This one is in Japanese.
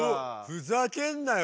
ふざけんなよ